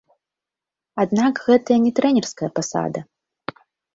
Аднак гэта не трэнерская пасада.